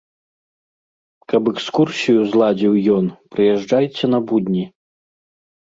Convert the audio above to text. Каб экскурсію зладзіў ён, прыязджайце на будні.